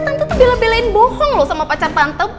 tante bela belain bohong loh sama pacar tante